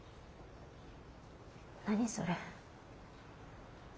何それ。